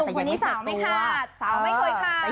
คนนี้สาวไม่คาดสาวไม่เคยคาด